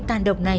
tan độc này